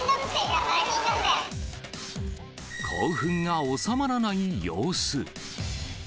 興奮が収まらない様子。